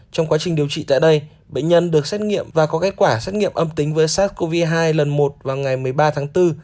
trong quá trình điều trị tại đây bệnh nhân được xét nghiệm và có kết quả xét nghiệm âm tính với sars cov hai lần một vào ngày một mươi ba tháng bốn